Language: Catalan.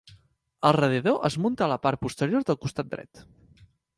El radiador es munta a la part posterior del costat dret.